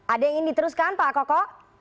ada yang ingin diteruskan pak koko